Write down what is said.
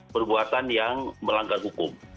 perbuatan yang melanggar hukum